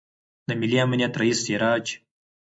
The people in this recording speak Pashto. د ملي امنیت رئیس سراج